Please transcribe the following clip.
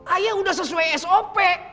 ayah udah sesuai sop